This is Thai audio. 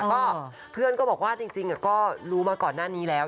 ก็เพื่อนก็บอกว่าจริงก็รู้มาก่อนหน้านี้แล้ว